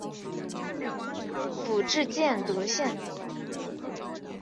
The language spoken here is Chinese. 府治建德县。